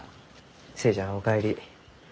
寿恵ちゃんお帰り。